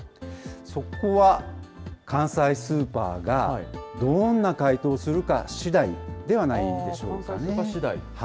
そこは関西スーパーがどんな回答をするかしだいではないでし関西スーパーしだい。